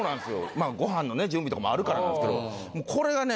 まあご飯の準備とかもあるからなんですけどこれがね